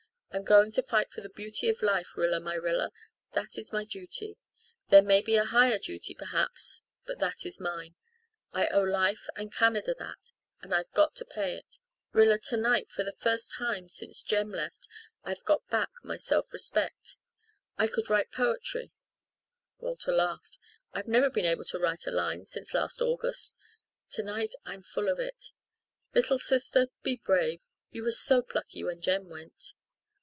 I'm going to fight for the beauty of life, Rilla my Rilla that is my duty. There may be a higher duty, perhaps but that is mine. I owe life and Canada that, and I've got to pay it. Rilla, tonight for the first time since Jem left I've got back my self respect. I could write poetry," Walter laughed. "I've never been able to write a line since last August. Tonight I'm full of it. Little sister, be brave you were so plucky when Jem went."